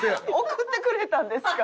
送ってくれたんですか？